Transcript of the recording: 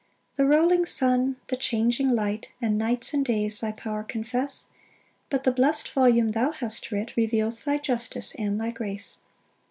2 The rolling sun, the changing light, And nights and days thy power confess; But the blest volume thou hast writ Reveals thy justice and thy grace.